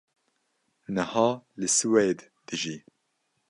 niha li Swêd dijî